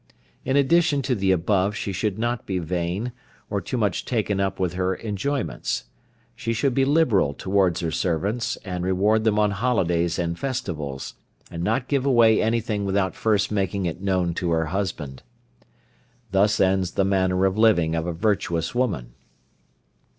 In addition to the above she should not be vain, or too much taken up with her enjoyments. She should be liberal towards her servants, and reward them on holidays and festivals; and not give away anything without first making it known to her husband. Thus ends the manner of living of a virtuous woman.